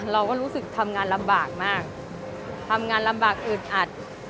เราก็รู้สึกทำงานลำบากมากทำงานลำบากอึดอัด